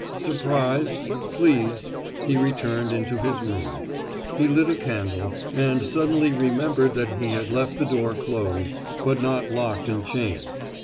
Surprised, but pleased, he returned into his room. He lit a candle, and suddenly remembered that he had left the door closed, but not locked and chained.